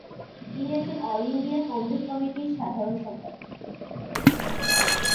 তিনি একজন all India Congress কমিটি-এর সাধারণ সম্পাদক।